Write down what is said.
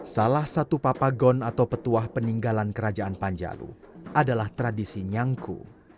salah satu papagon atau petuah peninggalan kerajaan panjalu adalah tradisi nyangku